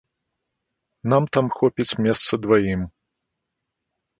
Нам там хопіць месца дваім.